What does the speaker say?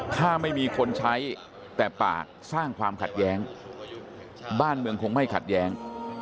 ถ้าไม่มีคนใช้แต่ปากสร้างความขัดแย้งบ้านเมืองคงไม่ขัดแย้ง